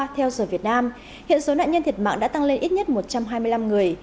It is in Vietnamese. theo giờ việt nam hiện số nạn nhân thiệt mạng đã tăng lên ít nhất một trăm hai mươi năm người